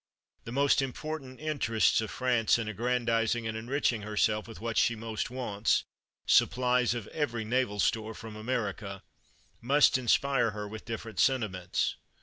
The most important interests of France in aggran dizing and enriching herself with what she most wants, supplies of every naval store from Amer ica, must inspire her with different sentiments.